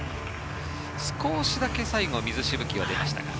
少しだけ最後水しぶきは出ましたが。